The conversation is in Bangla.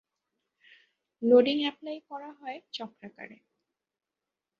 লোডিং অ্যাপ্লাই করা হয় চক্রাকারে।